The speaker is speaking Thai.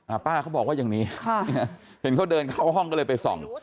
ป้าเขาบอกว่าอย่างนี้ค่ะเห็นเขาเดินเข้าห้องก็เลยไปส่อง